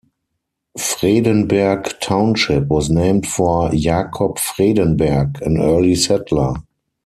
Fredenberg Township was named for Jacob Fredenberg, an early settler.